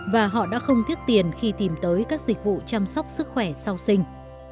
và họ đã không tiếc tiền khi tìm tới các dịch vụ chăm sóc sức khỏe sau sinh